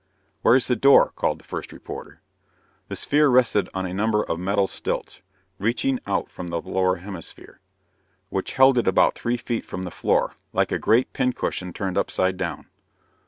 "Where's the door?" called the first reporter. The sphere rested on a number of metal stilts, reaching out from the lower hemisphere, which held it about three feet from the floor, like a great pincushion turned upside down.